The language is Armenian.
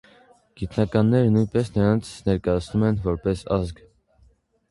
Գիտնականները նույնպես նրանց ներկայացնում են որպես ազգ։